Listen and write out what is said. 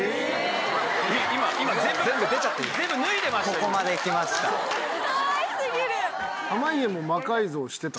ここまで来ました。